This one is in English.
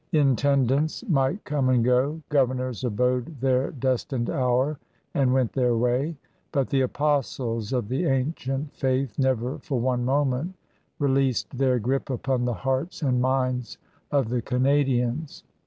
Intendants might come and go; gover nors abode their destined hour and went their way; but the apostles of the ancient faith never for one moment released their grip upon the hearts and minds of the Canadians.